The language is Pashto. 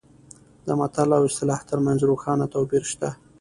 د متل او اصطلاح ترمنځ روښانه توپیر شته